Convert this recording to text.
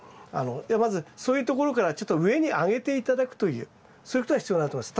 まずそういうところからちょっと上に上げて頂くというそういうことが必要になると思います。